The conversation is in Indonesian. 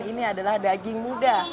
ini adalah daging muda